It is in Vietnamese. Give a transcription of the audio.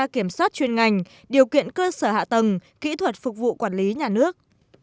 kiểm soát chuyên ngành điều kiện cơ sở hạ tầng kỹ thuật phục vụ quản lý nhà nước